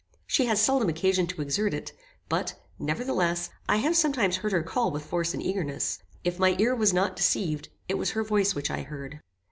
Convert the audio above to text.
She has seldom occasion to exert it, but, nevertheless, I have sometimes heard her call with force and eagerness. If my ear was not deceived, it was her voice which I heard.